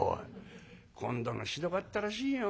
今度のひどかったらしいよ。